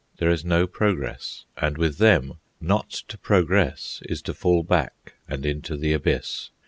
There is no progress, and with them not to progress is to fall back and into the Abyss.